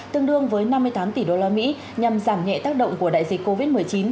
tương đương với năm mươi tám tỷ đô la mỹ nhằm giảm nhẹ tác động của đại dịch covid một mươi chín